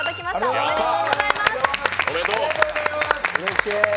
おめでとうございます！